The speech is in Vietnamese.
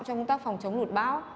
trong tác phòng chống lụt báo